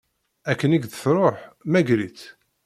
Akken i k-d-tṛuḥ, mmager-itt.